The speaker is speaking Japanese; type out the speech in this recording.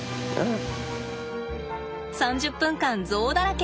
３０分間ゾウだらけ。